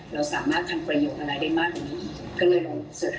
เราสามารถทำประโยชน์อะไรได้มากว่านี้